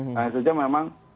nah itu saja memang